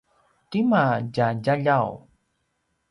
tima tja djaljaw?